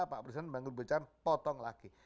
pak presiden bangun becaan potong lagi